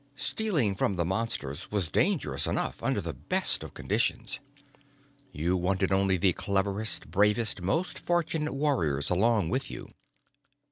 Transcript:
Stealing from the Monsters was dangerous enough under the best of conditions. You wanted only the cleverest, bravest, most fortunate warriors along with you.